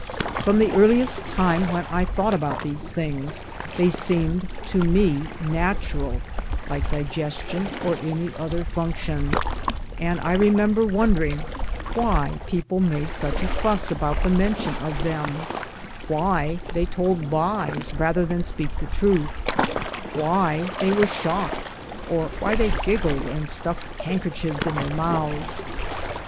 From the earliest time when I thought about these things they seemed to me natural like digestion or any other function and I remember wondering why people made such a fuss about the mention of them why they told lies rather than speak' the truth, why they were shocked, or why they giggled and stuffed handkerchiefs in their mouths.